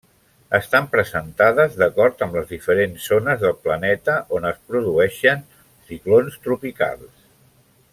Estan presentades d'acord amb les diferents zones del planeta on es produeixen ciclons tropicals.